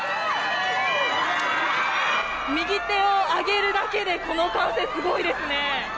右手を挙げるだけでこの歓声、すごいですね。